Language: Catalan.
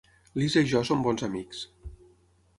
La Lisa i jo som bons amics.